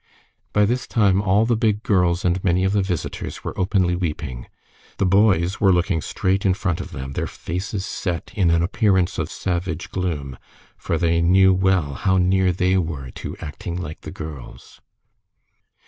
By this time all the big girls and many of the visitors were openly weeping. The boys were looking straight in front of them, their faces set in an appearance of savage gloom, for they knew well how near they were to "acting like the girls."